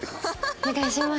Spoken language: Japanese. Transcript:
お願いします。